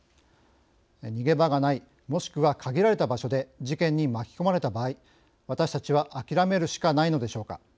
逃げ場がないもしくは限られた場所で事件に巻き込まれた場合私たちは諦めるしかないのでしょうか。